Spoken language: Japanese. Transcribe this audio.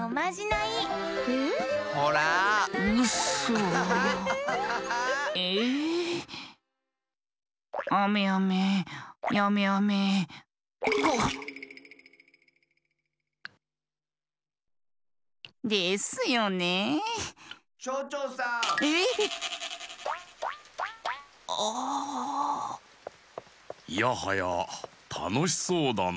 いやはやたのしそうだなあ。